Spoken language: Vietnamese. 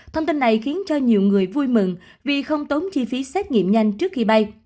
thông tin này khiến cho nhiều người vui mừng vì không tốn chi phí xét nghiệm nhanh trước khi bay